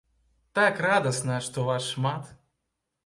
Так радасна, што вас шмат!